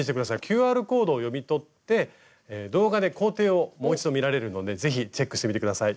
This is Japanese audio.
ＱＲコードを読み取って動画で工程をもう一度見られるので是非チェックしてみて下さい。